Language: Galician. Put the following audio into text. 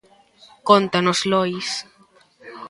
Cóntanos, Lois.